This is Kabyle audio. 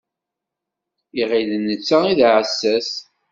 Iɣil d netta i d aɛessas.